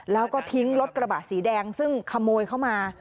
แล้วก็ทิ้งรถกระบะสีแดงซึ่งขโมยเข้ามา